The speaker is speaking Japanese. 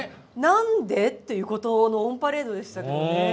何で？っていうことのオンパレードでしたけどね。